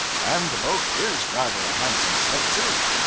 And the boat is rather a handsome sight, too.